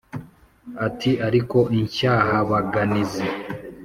Ati » Ariko Incyahabaganizi